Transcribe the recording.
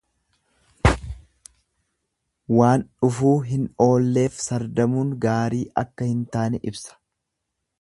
Waan dhufuu hin oolleef sardamuun gaarii akka hin taane ibsa.